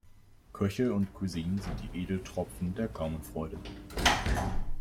Köche und Cuisine sind die Edeltropfen der Gaumenfreude.